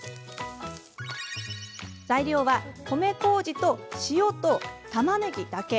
材料は米こうじと塩とたまねぎだけ。